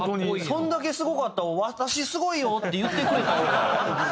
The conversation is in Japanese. そんだけすごかったら「私すごいよ！」って言ってくれた方が。